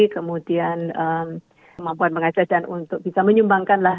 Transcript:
kemudian kemampuan mengajar dan untuk bisa menyumbangkanlah